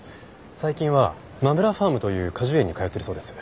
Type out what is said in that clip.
最近はまむらファームという果樹園に通っているそうです。